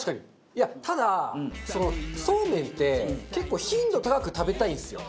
いやただそうめんって結構頻度高く食べたいんですよ